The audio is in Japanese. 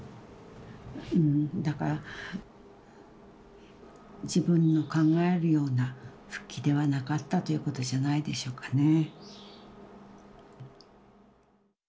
だから自分の考えるような復帰ではなかったということじゃないでしょうかね。